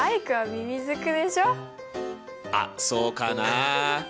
あっそうかな。